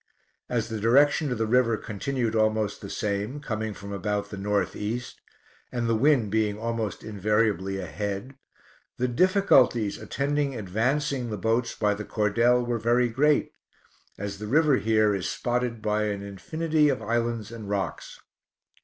As the direction of the river continued almost the same, coming from about the north east, and the wind being almost invariably ahead, the difficulties attending advancing the boats by the cordel were very great, as the river here is spotted by an infinity of islands and rocks.